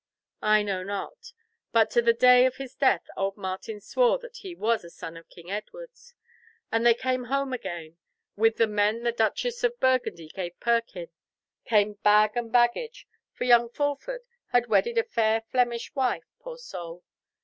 "I know not; but to the day of his death old Martin swore that he was a son of King Edward's, and they came home again with the men the Duchess of Burgundy gave Perkin—came bag and baggage, for young Fulford had wedded a fair Flemish wife, poor soul!